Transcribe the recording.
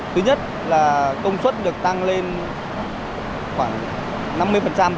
thứ nhất là công suất được tăng lên khoảng năm mươi